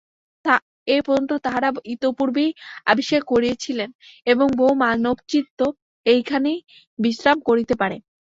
এই পর্যন্ত তাঁহারা ইতঃপূর্বেই আবিষ্কার করিয়াছিলেন এবং বহু মানবচিত্ত এইখানেই বিশ্রাম করিতে পারে।